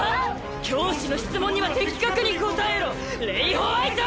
教師の質問には的確に答えろレイ＝ホワイト！